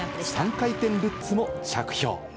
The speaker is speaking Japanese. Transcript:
３回転ルッツも着氷。